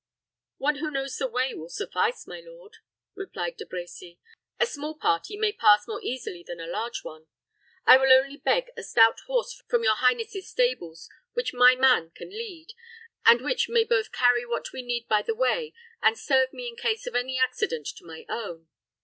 "One who knows the way will suffice, my lord," replied De Brecy. "A small party may pass more easily than a large one. I will only beg a stout horse from your highness's stables, which my man can lead, and which may both carry what we need by the way, and serve me in case of any accident to my own.